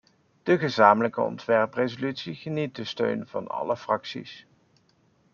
De gezamenlijke ontwerpresolutie geniet de steun van alle fracties.